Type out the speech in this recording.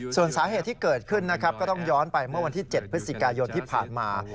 ส่วนสาเหตุที่เกิดขึ้นนะครับก็ต้องย้อนไปเมื่อวันที่๗พฤศจิกายนที่ผ่านมา